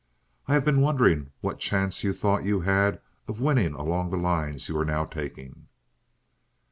"I have been wondering what chance you thought you had of winning along the lines you are now taking."